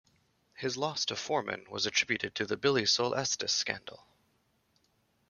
His loss to Foreman was attributed to the Billie Sol Estes scandal.